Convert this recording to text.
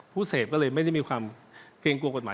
ผู้เสพก็เลยไม่ได้มีความเกรงกลัวกฎหมาย